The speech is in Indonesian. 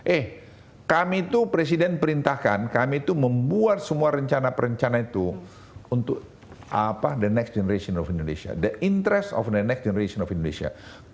eh kami itu presiden perintahkan kami itu membuat semua rencana perencana itu untuk the next generation of indonesia the interest of the next generation of indonesia